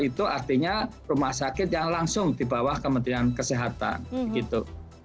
itu artinya rumah sakit yang langsung di bawah kementerian kesehatan gitu